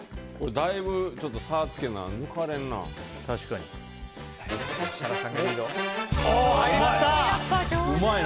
だいぶ差をつけな、抜かれるな。